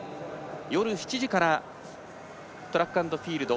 夜７時からトラックアンドフィールド